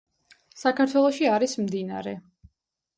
საქართველოში არის მდინარე